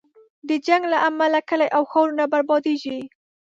د جنګ له امله کلی او ښارونه بربادېږي.